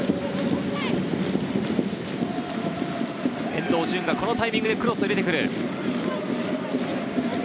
遠藤純がこのタイミングでクロスを入れてくる。